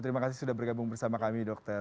terima kasih sudah bergabung bersama kami dokter